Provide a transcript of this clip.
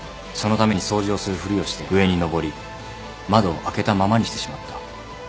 そのために掃除をするふりをして上にのぼり窓を開けたままにしてしまった。